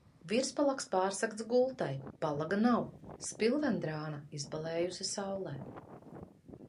Virspalags pārsegts gultai, palaga nav, spilvendrāna izbalējusi saulē.